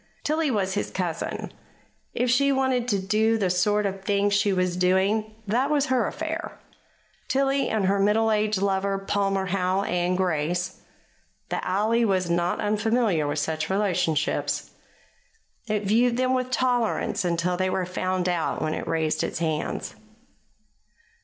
Tillie was his cousin. If she wanted to do the sort of thing she was doing, that was her affair. Tillie and her middle aged lover, Palmer Howe and Grace the alley was not unfamiliar with such relationships. It viewed them with tolerance until they were found out, when it raised its hands.